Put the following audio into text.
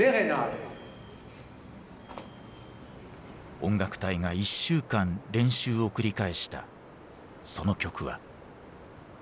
音楽隊が１週間練習を繰り返したその曲は。